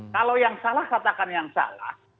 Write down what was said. kalau yang salah katakan yang salah